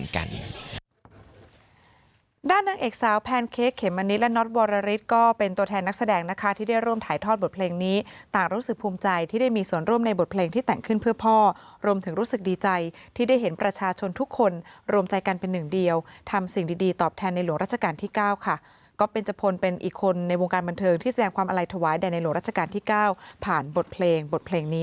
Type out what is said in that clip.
ก็เป็นตัวแทนนักแสดงนะคะที่ได้ร่วมถ่ายทอดบทเพลงนี้ต่างรู้สึกภูมิใจที่ได้มีส่วนร่วมในบทเพลงที่แต่งขึ้นเพื่อพ่อรวมถึงรู้สึกดีใจที่ได้เห็นประชาชนทุกคนรวมใจกันเป็นหนึ่งเดียวทำสิ่งดีตอบแทนในหลวงรัชกาลที่๙ค่ะก็เป็นจพลเป็นอีกคนในวงการบันเทิงที่แสดงความอะไรถวายในหลวง